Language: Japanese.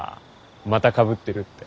またかぶってるって。